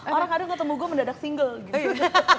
orang kadang ketemu gue mendadak single gitu